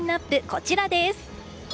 こちらです。